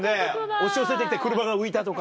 押し寄せて来て車が浮いたとか。